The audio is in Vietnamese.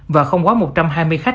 và không quá một trăm hai mươi khách